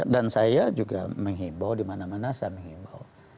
dan saya juga menghibau dimana mana saya menghibau